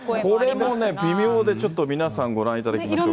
これも微妙でちょっと皆さんご覧いただきましょうか。